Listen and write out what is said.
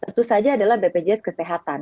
tentu saja adalah bpjs kesehatan